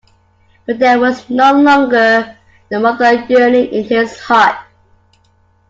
But there was no longer the mother yearning in his heart.